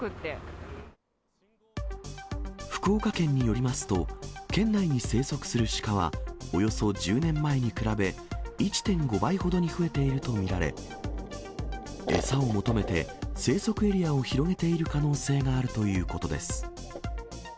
福岡県によりますと、県内に生息する鹿は、およそ１０年前に比べ、１．５倍ほどに増えていると見られ、餌を求めて生息エリアを広げている可能性があるということです。